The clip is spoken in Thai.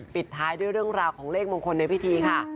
ปิดท้ายด้วยเรื่องราวของเลขมงคลในพิธีค่ะ